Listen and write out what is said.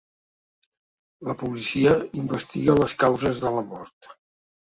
La policia investiga la causes de la mort.